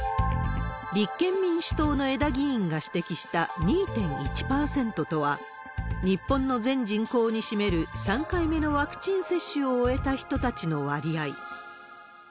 立憲民主党の江田議員が指摘した２．１％とは、日本の全人口に占める３回目のワクチン接種を終えた人たちの割合。